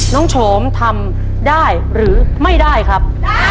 โฉมทำได้หรือไม่ได้ครับ